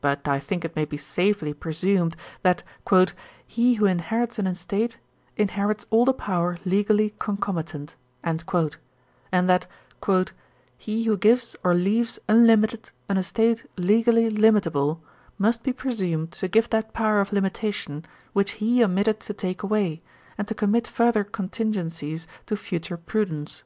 But I think it may be safely presumed, that "he who inherits an estate, inherits all the power legally concomitant;" and that "He who gives or leaves unlimited an estate legally limitable, must be presumed to give that power of limitation which he omitted to take away, and to commit future contingencies to future prudence."